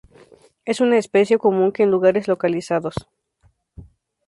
Es una especie común que en lugares localizados.